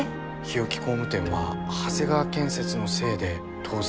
日置工務店は長谷川建設のせいで倒産したのかも。